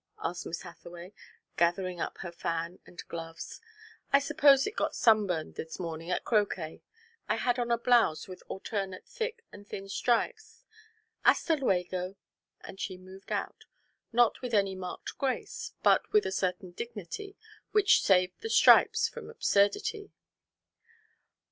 asked Miss Hathaway, gathering up her fan and gloves. "I suppose it got sunburned this morning at croquet. I had on a blouse with alternate thick and thin stripes. Hasta luego!" and she moved out, not with any marked grace, but with a certain dignity which saved the stripes from absurdity.